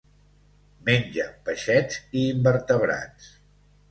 Menja peixets i invertebrats.